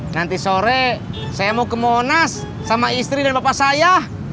nanti sore saya mau ke monas sama istri dan bapak saya